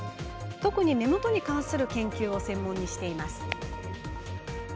特に目元に関する研究を専門にしています。